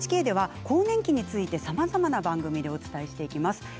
ＮＨＫでは更年期についてさまざまな番組でお伝えしていきます。